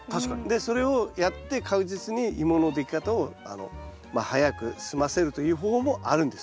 でそれをやって確実にイモのでき方を早く済ませるという方法もあるんです。